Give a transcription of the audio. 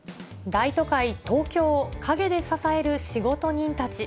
大都会、東京を陰で支える仕事人たち。